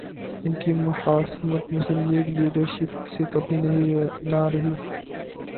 ان کی مخاصمت مسلم لیگ لیڈرشپ سے کبھی نہ رہی۔